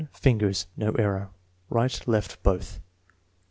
Fingers. (No error.) Right; left; both.